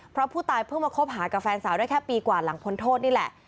เพราะผู้ตายเพิ่งมาคบหากับแฟนสาวได้แค่ปีกว่าหลังพ้นโทษนี่แหละ